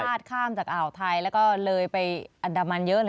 นี่ค้ามจากอ่าวไทยและก็เลยไปอันดามัลเยอะเลยนะ